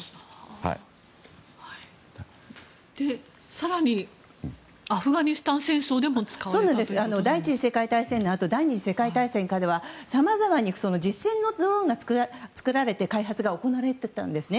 更にアフガニスタン戦争でも第１次世界大戦のあと第２次世界大戦下ではさまざまに実戦のドローンが作られて開発が行われていたんですね。